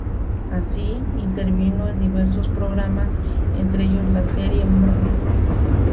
Así, intervino en diversos programas, entre ellos la serie "Mr.